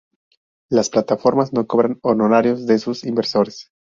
Las plataformas no cobran honorarios de sus inversores.